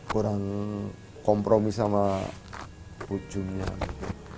kurang kompromis sama bu jum'nya gitu